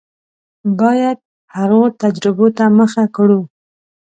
باید هغو تجربو ته مخه کړو.